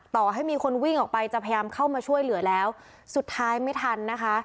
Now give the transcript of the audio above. ต่อให้มีคนวิ่งออกไปจะพยายามเข้ามาช่วยเหลือแล้วสุดท้ายไม่ทันนะคะ